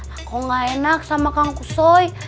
aku gak enak sama kang kusoy